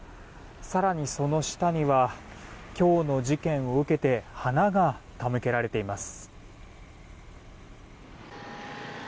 更に、その下には今日の事件を受けて花が手向けられています。